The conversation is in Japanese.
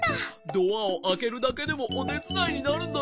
ドアをあけるだけでもおてつだいになるんだね。